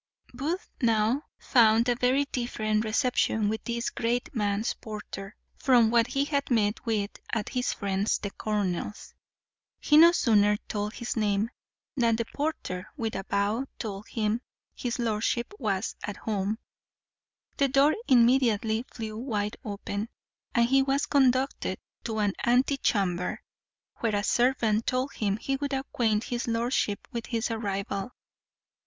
Booth now found a very different reception with this great man's porter from what he had met with at his friend the colonel's. He no sooner told his name than the porter with a bow told him his lordship was at home: the door immediately flew wide open, and he was conducted to an ante chamber, where a servant told him he would acquaint his lordship with his arrival.